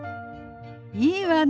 いいわね。